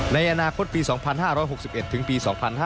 ในอนาคตปี๒๕๖๑ถึงปี๒๕๕๙